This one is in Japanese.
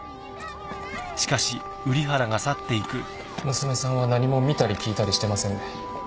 娘さんは何も見たり聞いたりしてませんね。